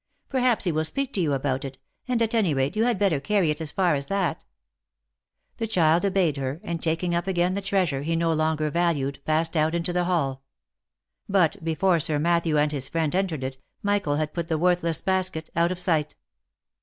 Perhaps he will speak to you about it, and at any rate you had better carry it as far as that/' The child obeyed her, and taking up again the treasure he no longer valued, passed out into the hall : but before Sir Matthew and his friend entered it, Michael had put the worthless basket out of sight.